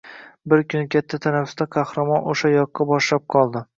Bir kuni katta tanaffusda Qahramon o‘sha yoqqa boshlab qoldi.